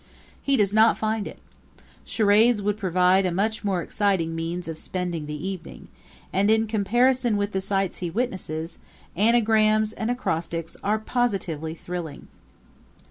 He does not find it. Charades would provide a much more exciting means of spending the evening; and, in comparison with the sights he witnesses, anagrams and acrostics are positively thrilling.